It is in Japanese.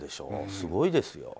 すごいですよ。